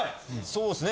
そうっすね。